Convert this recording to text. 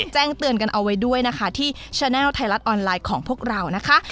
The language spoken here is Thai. แจ้งเตือนกันเอาไว้ด้วยนะคะที่แชนัลไทยรัฐออนไลน์ของพวกเรานะคะ